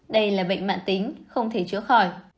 đây là bệnh mạng tính không thể chữa khỏi